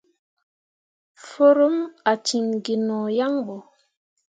Forummi ah ciŋ gi no yaŋ ɓo.